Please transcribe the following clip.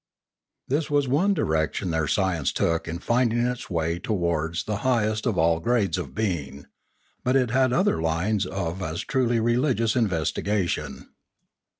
This was one direction their science took in finding its way towards the highest of all grades of being. But it had other lines of as truly religious investigation.